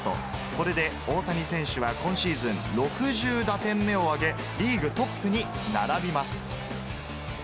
これで大谷選手は、今シーズン６０打点目を挙げ、リーグトップに並びます。